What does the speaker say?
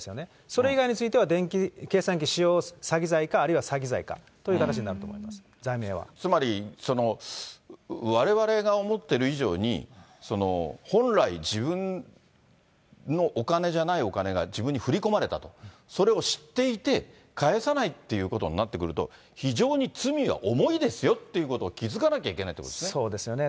それ以外については電気計算機使用詐欺罪かあるいは詐欺罪かといつまりわれわれが思っている以上に、本来、自分のお金じゃないお金が自分に振り込まれたと、それを知っていて、返さないっていうことになってくると、非常に罪は重いですよということを気付かなきゃいけないというこそうですよね。